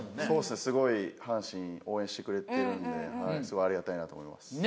そうですねすごい阪神応援してくれてるんですごいありがたいなと思います。